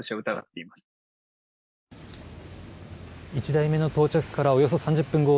１台目の到着からおよそ３０分後